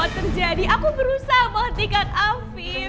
ini semua terjadi aku berusaha menghentikan afif